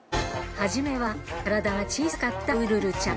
はじめは体が小さかったウルルちゃん。